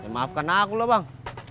maafkan aku loh bang